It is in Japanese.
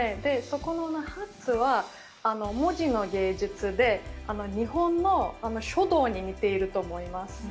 そこのハットゥは文字の芸術で、日本の書道に似ていると思います。